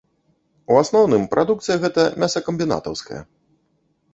У асноўным, прадукцыя гэта мясакамбінатаўская.